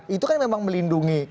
itu kan memang melindungi